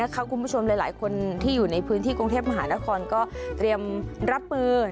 คุณผู้ชมหลายคนที่อยู่ในพื้นที่กรุงเทพมหานครก็เตรียมรับมือ